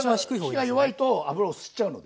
火が弱いと油を吸っちゃうので。